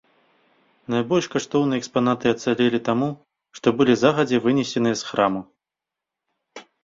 Найбольш каштоўныя экспанаты ацалелі таму, што былі загадзя вынесеныя з храму.